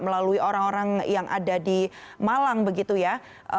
melalui orang orang yang ada di malang begitu ya